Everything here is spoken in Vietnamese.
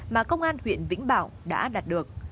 mà công an huyện vĩnh bảo đã đạt được